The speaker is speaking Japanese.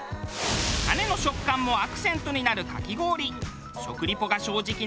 種の食感もアクセントになるかき氷。